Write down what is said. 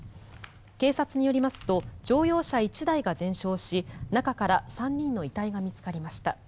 警察によりますと乗用車１台が全焼し中から３人の遺体が見つかりました。